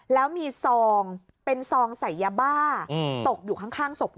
แล้วมีซองเป็นซองใส่ยาบ้าตกอยู่ข้างศพ